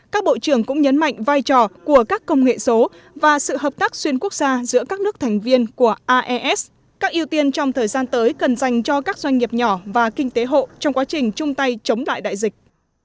các bộ trưởng cũng nhấn mạnh vai trò của các công nghệ số và sự hợp tác xuyên quốc gia giữa các nước thành viên của aes các ưu tiên trong thời gian tới cần dành cho các doanh nghiệp nhỏ và kinh tế hộ trong quá trình chung tay chống lại đại dịch